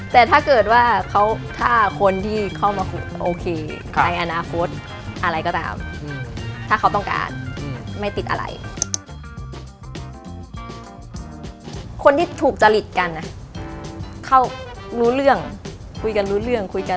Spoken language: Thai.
แต่ถ้าเกิดว่าเขาถ้าคนที่เข้ามาโอเค